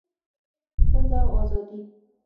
ښځه او ازادي